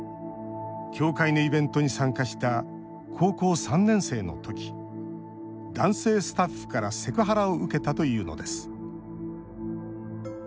教会のイベントに参加した高校３年生の時男性スタッフからセクハラを受けたというのです。